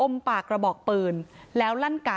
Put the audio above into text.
อมปากระบอกปืน